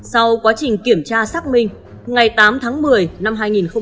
sau quá trình kiểm tra xác minh ngày tám tháng một mươi năm hai nghìn hai mươi